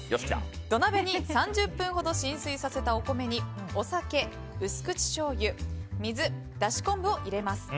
土鍋に３０分ほど浸水させたお米にお酒、薄口しょうゆ水、だし昆布を入れます。